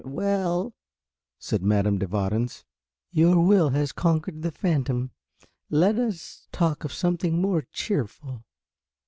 "Well," said Madame de Warens, "your will has conquered the Phantom. Let us talk of something more cheerful."